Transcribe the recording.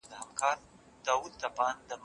تاسي باید په ژوند کي له پوهي ګټه واخلئ.